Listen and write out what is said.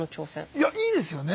いやいいですよね